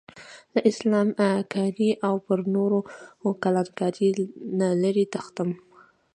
له اسلام کارۍ او پر نورو کلان کارۍ نه لرې تښتم.